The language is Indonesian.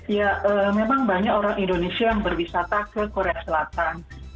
ya memang banyak orang indonesia yang berwisata ke korea selatan